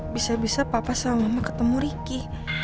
bisa bisa papa sama mama ketemu ricky